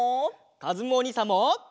かずむおにいさんも！